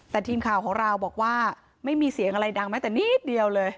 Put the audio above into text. แต่ทีมข่าวของเราบอกว่าไม่มีเสียงอะไรดังแม้แต่นิดเดียวเลย